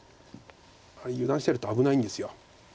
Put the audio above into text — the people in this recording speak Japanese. あれ油断してると危ないんです。